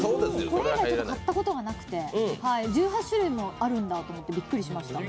これ以外買ったことがなくて１８種類もあるんだってびっくりしました。